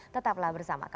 tetaplah bersama kami